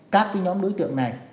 các cái nhóm đối tượng này